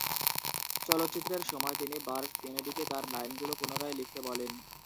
চলচ্চিত্রের সময় তিনি বার্ট কেনেডিকে তার লাইনগুলো পুনরায় লিখতে বলেন।